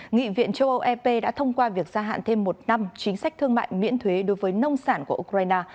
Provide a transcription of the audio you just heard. nghị viện châu âu ep đã thông qua việc gia hạn thêm một năm chính sách thương mại miễn thuế đối với nông sản của ukraine